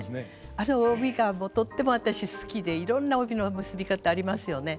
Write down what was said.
あの帯がとっても私好きでいろんな帯の結び方ありますよね。